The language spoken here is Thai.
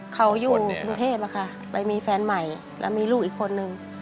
เขาอยู่กรุงเทพค่ะไปมีแฟนใหม่แล้วมีลูกอีกคนนึง